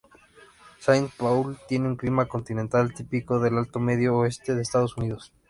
Saint Paul tiene un clima continental típico del alto medio oeste de Estados Unidos.